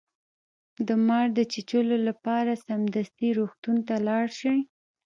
د مار د چیچلو لپاره سمدستي روغتون ته لاړ شئ